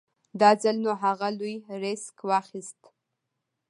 دا ځل نو اغه لوی ريسک واخېست.